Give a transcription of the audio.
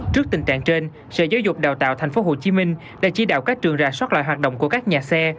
trước tình trạng trên sở giáo dục đào tạo tp hcm đã chỉ đạo các trường rà soát lại hoạt động của các nhà xe